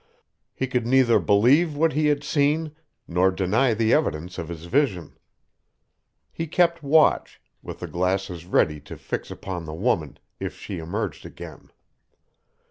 He could neither believe what he had seen nor deny the evidence of his vision. He kept watch, with the glasses ready to fix upon the woman if she emerged again.